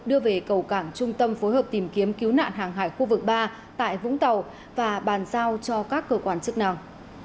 đưa về cầu cảng trung tâm phối hợp tìm kiếm cứu nạn hàng hải khu vực ba tại vũng tàu và bàn giao cho các cơ quan chức năng